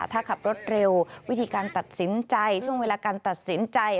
ถ้าขับรถเร็ววิธีการตัดสินใจช่วงเวลาการตัดสินใจ